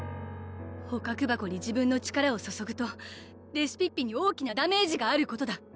捕獲箱に自分の力を注ぐとレシピッピに大きなダメージがあることだ